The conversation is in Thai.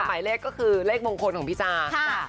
หมายเลขก็คือเลขมงคลของพี่จ้า